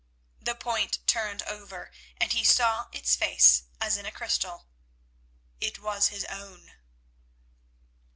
The point turned over, and he saw its face as in a crystal—it was his own.